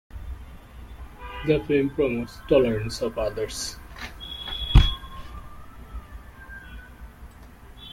The film promotes tolerance of others.